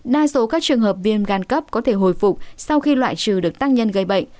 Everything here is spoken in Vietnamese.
đa số các trường hợp viêm gan cấp có thể hồi phục sau khi loại trừ được tác nhân gây bệnh